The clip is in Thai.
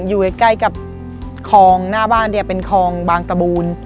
อยู่ใกล้กับคลองหน้าบ้านเนี่ยเป็นคลองบางตะบูน